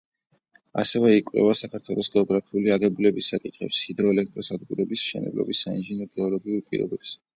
ასევე იკვლევდა საქართველოს გეოგრაფიული აგებულების საკითხებს, ჰიდროელექტროსადგურების მშენებლობის საინჟინრო-გეოლოგიურ პირობებს.